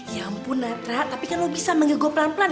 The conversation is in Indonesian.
ya ampun natra tapi kan lo bisa manggil gue pelan pelan